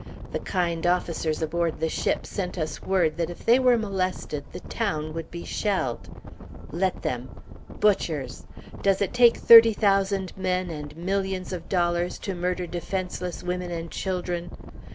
The kind officers aboard the ship sent us word that if they were molested, the town would be shelled. Let them! Butchers! Does it take thirty thousand men and millions of dollars to murder defenseless women and children?